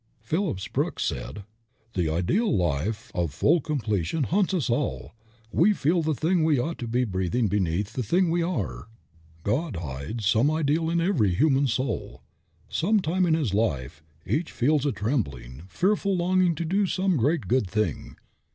Phillips Brooks said: "The ideal life of full completion haunts us all. We feel the thing we ought to be beating beneath the thing we are. God hides some ideal in every human soul. At some time in his life, each feels a trembling, fearful longing to do some great good thing.